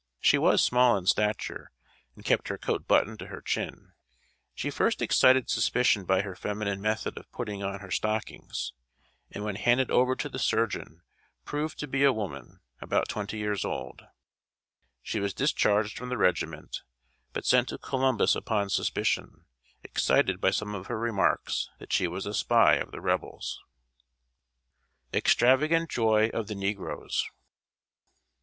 She was small in stature, and kept her coat buttoned to her chin. She first excited suspicion by her feminine method of putting on her stockings; and when handed over to the surgeon proved to be a woman, about twenty years old. She was discharged from the regiment, but sent to Columbus upon suspicion, excited by some of her remarks, that she was a spy of the Rebels. So called, though nearly all its members came from Cincinnati. [Sidenote: EXTRAVAGANT JOY OF THE NEGROES.